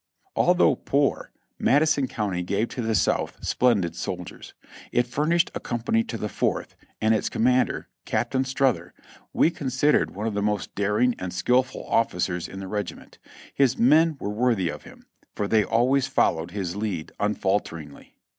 Although poor, Madison County gave to the South splendid soldiers; it furnished a company to the Fourth, and its com mander, Captain Strother, we considered one of the most daring and skilful ofScers in the regiment. His men were worthy of him, for they always followed his lead unfalteringly.